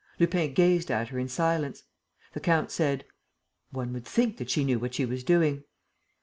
Lupin gazed at her in silence. The count said: "One would think that she knew what she was doing."